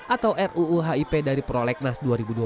atau ruu hip dari prolegnas dua ribu dua puluh